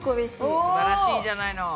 すばらしいじゃないの。